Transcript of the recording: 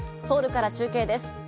ソウルから中継です。